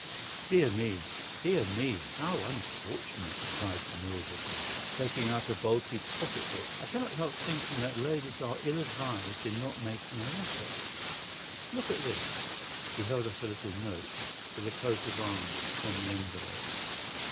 "Dear me, dear me, how unfortunate!" cried Milverton, taking out a bulky pocket book. "I cannot help thinking that ladies are ill advised in not making an effort. Look at this!" He held up a little note with a coat of arms upon the envelope.